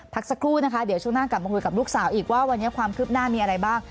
สักครู่นะคะเดี๋ยวช่วงหน้ากลับมาคุยกับลูกสาวอีกว่าวันนี้ความคืบหน้ามีอะไรบ้าง